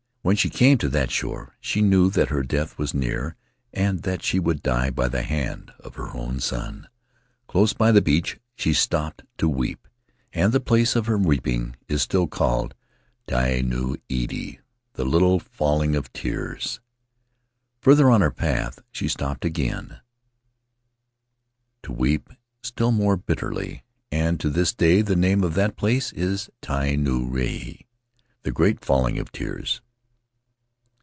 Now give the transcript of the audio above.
When she came to that shore she knew that her death was near and that she would die by the hand of her own son. Close by the beach she stopped to weep, and the place of her weeping is still called Tai Nuu Iti (the Little Falling of Tears). Farther on her path, she stopped again to weep still more bitterly, and to this day the name of that place is Tai Nuu Rahi (the Great Falling of Tears)